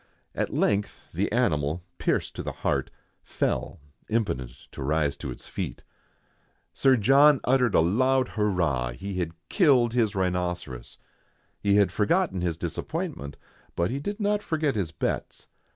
At length the animal, pierced to the heart, fell, impotent to rise to its feet. Sir John uttered a loud hurrah ; he had killed his rhinoceros. He had forgotten his disappointment, but he did not forget his bets.